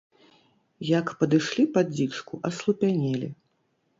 Як падышлі пад дзічку, аслупянелі.